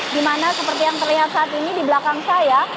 dimana seperti yang terlihat saat ini di belakang saya